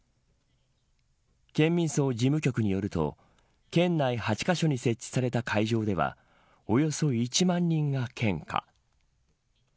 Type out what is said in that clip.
県民葬事務局によると県内８カ所に設置された会場ではおよそ１万人が献花。